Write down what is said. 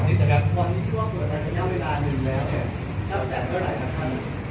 วันนี้ที่ว่าตรวจสอบมันแน่วเวลาหนึ่งแล้วเนี้ยแล้วแสดงเท่าไหร่ครับท่าน